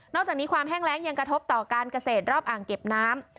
จากนี้ความแห้งแรงยังกระทบต่อการเกษตรรอบอ่างเก็บน้ำ